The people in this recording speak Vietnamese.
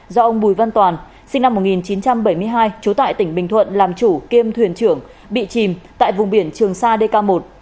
do ông bùi văn toàn sinh năm một nghìn chín trăm bảy mươi hai trú tại tỉnh bình thuận làm chủ kiêm thuyền trưởng bị chìm tại vùng biển trường sa dk một